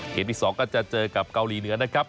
ที่๒ก็จะเจอกับเกาหลีเหนือนะครับ